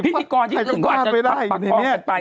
พิธีกรที่ถึงกว่าจะปรักษ์พลาดกันไป